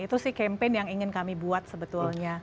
itu sih campaign yang ingin kami buat sebetulnya